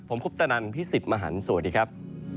ผมคุปตนันพี่สิทธิ์มหันฯสวัสดีครับ